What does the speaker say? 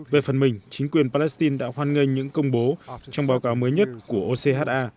về phần mình chính quyền palestine đã hoan nghênh những công bố trong báo cáo mới nhất của ocha